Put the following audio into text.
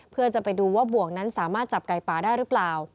เพื่อจะไปดูว่าบ่วงนั้นสามารถจับไก่ป่าได้หรือเปล่า